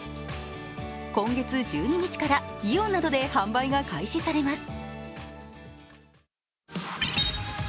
今月１２日からイオンなどで販売が開始されます。